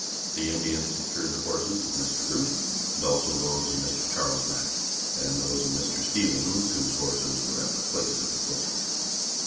The Indians secured the horses of Mr. Root, and also those of Mr. Charles Mack, and those of Mr. Stevens whose horses were at the place of the quilting.